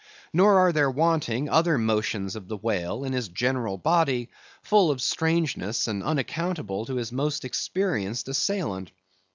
Nor are there wanting other motions of the whale in his general body, full of strangeness, and unaccountable to his most experienced assailant.